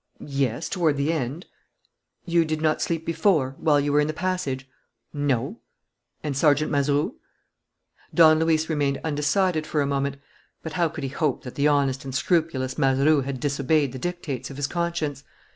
"Yes, toward the end." "You did not sleep before, while you were in the passage?" "No." "And Sergeant Mazeroux?" Don Luis remained undecided for a moment; but how could he hope that the honest and scrupulous Mazeroux had disobeyed the dictates of his conscience?